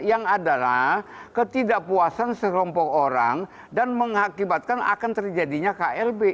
yang adalah ketidakpuasan serompok orang dan mengakibatkan akan terjadinya klb